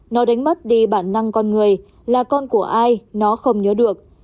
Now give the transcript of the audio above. nó đánh mất đi bản năng con người là con của ai nó không nhớ được